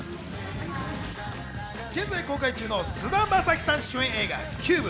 現在公開中の菅田将暉さん主演映画『ＣＵＢＥ